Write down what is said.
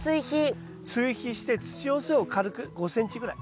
追肥して土寄せを軽く５ｃｍぐらい。